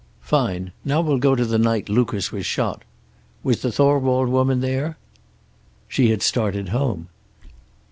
"Fine. Now we'll go to the night Lucas was shot. Was the Thorwald woman there?" "She had started home."